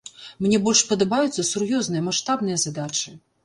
Мне больш падабаюцца сур'ёзныя, маштабныя задачы.